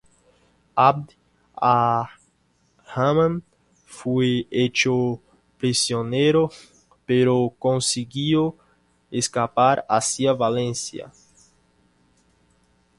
Abd ar-Rahman fue hecho prisionero, pero consiguió escapar hacia Valencia.